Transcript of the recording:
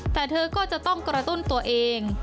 แต่เธอก็จะต้องกระตุ้นตัวเอง